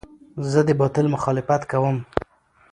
زه د باطل مخالفت کوم.